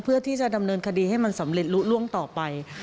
เพื่อที่จะดำเนินคดีให้มันสำเร็จลุล่วงต่อไป